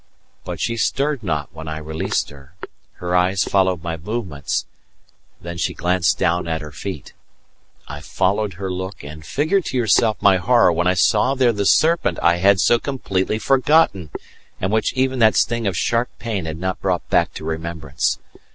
But she stirred not when I released her; her eyes followed my movements; then she glanced down at her feet. I followed her look, and figure to yourself my horror when I saw there the serpent I had so completely forgotten, and which even that sting of sharp pain had not brought back to remembrance!